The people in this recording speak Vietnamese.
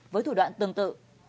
với thủ đoạn tương tự